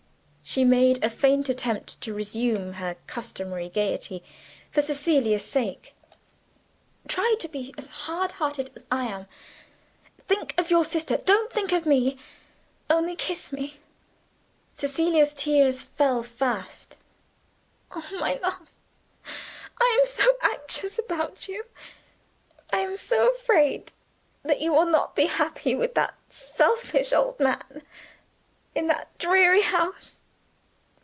She made a faint attempt to resume her customary gayety, for Cecilia's sake. "Try to be as hard hearted as I am. Think of your sister don't think of me. Only kiss me." Cecilia's tears fell fast. "Oh, my love, I am so anxious about you! I am so afraid that you will not be happy with that selfish old man in that dreary house.